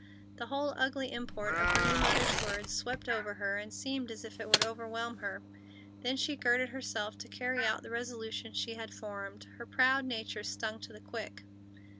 The whole ugly import of the new mother's words swept over her and seemed as if it would overwhelm her. Then she girded herself to carry out the resolution she had formed, her proud nature stung to the quick.